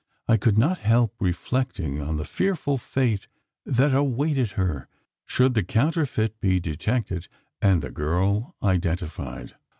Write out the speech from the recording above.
I could not help reflecting on the fearful fate that awaited her, should the counterfeit be detected, and the girl identified.